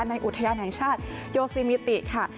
อุทยานแห่งชาติโยซิมิติค่ะ